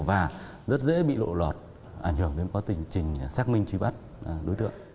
và rất dễ bị lộ lọt ảnh hưởng đến có tình trình xác minh trí bắt đối tượng